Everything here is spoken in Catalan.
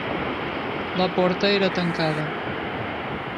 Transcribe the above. La porta era tancada.